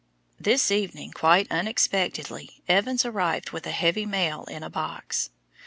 This evening, quite unexpectedly, Evans arrived with a heavy mail in a box.